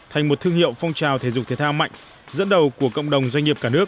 thành một thương hiệu phong trào thể dục thể thao mạnh dẫn đầu của cộng đồng doanh nghiệp cả nước